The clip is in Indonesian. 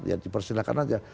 ya dipersilahkan saja